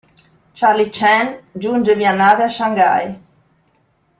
Charlie Chan giunge via nave a Shanghai.